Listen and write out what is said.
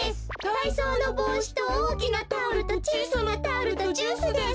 たいそうのぼうしとおおきなタオルとちいさなタオルとジュースです。